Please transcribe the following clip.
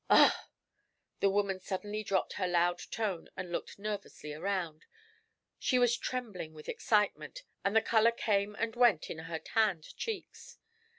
'Ugh!' The woman suddenly dropped her loud tone and looked nervously around. She was trembling with excitement, and the colour came and went in her tanned cheeks.